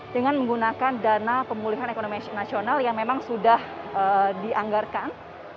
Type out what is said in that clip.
dengan menggunakan dana pemulihan ekonomi nasional yang memang sudah dianggarkan